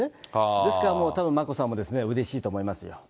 ですから、もうたぶん眞子さんもうれしいと思いますよ。